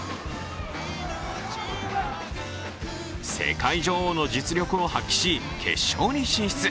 世界女王の実力を発揮し、決勝に進出。